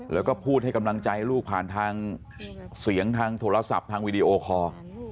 แล้วก็พูดให้กำลังใจลูกผ่านทางเสียงทางโทรศัพท์ทางวีดีโอคอร์